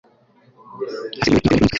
Haseguriwe ibiteganyijwe mu gika cya kabiri